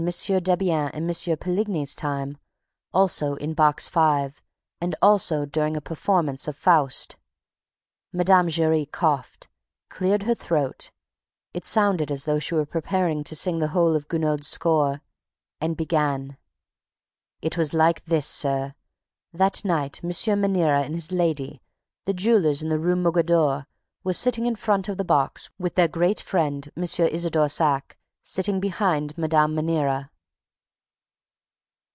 Debienne and M. Poligny's time, also in Box Five and also during a performance of FAUST. Mme. Giry coughed, cleared her throat it sounded as though she were preparing to sing the whole of Gounod's score and began: "It was like this, sir. That night, M. Maniera and his lady, the jewelers in the Rue Mogador, were sitting in the front of the box, with their great friend, M. Isidore Saack, sitting behind Mme. Maniera.